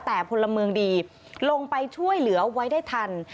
แต่พลเมืองดีลงไปช่วยเหลือไว้ได้ทัน